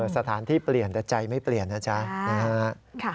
สถานที่เปลี่ยนแต่ใจไม่เปลี่ยนนะจ๊ะนะฮะ